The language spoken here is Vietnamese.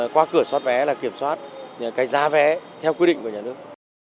qua cửa xót vé là kiểm soát cái giá vé theo quy định của nhà nước